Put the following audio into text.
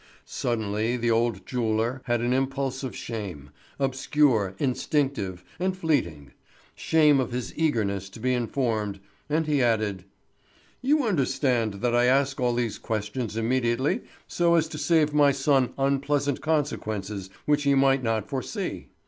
Suddenly the old jeweller had an impulse of shame—obscure, instinctive, and fleeting; shame of his eagerness to be informed, and he added: "You understand that I ask all these questions immediately so as to save my son unpleasant consequences which he might not foresee.